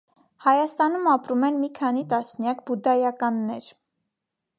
Հայաստանում ապրում են մի քանի տասնյակ բուդդայականներ։